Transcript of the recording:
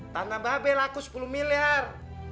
karena babel aku sepuluh miliar